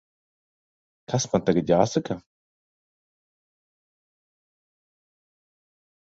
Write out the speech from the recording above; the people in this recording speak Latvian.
Kas man tagad jāsaka?